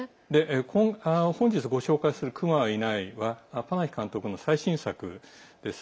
本日、ご紹介する「熊は、いない」はパナヒ監督の最新作です。